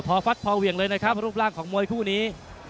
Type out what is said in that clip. พอฟัดพอเหวี่ยงเลยนะครับรูปร่างของมวยคู่นี้